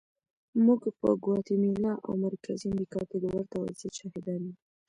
موږ په ګواتیمالا او مرکزي امریکا کې د ورته وضعیت شاهدان یو.